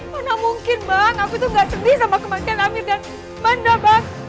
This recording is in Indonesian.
mana mungkin bang aku tuh gak sedih sama kematian amir dan banda bang